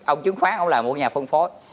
ông chứng khoán không là một nhà phân phối